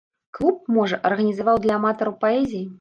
Клуб, можа, арганізаваў для аматараў паэзіі.